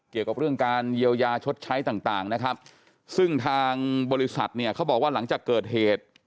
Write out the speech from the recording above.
เกี่ยวกับเรื่องการเยียวยาชดใช้ต่างนะครับซึ่งทางบริษัทเนี่ยเขาบอกว่าหลังจากเกิดเหตุ